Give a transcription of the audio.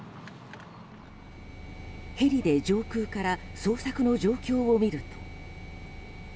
ヘリで上空から捜索の状況を見ると。